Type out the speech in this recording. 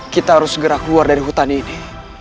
kita harus segera keluar dari hutan ini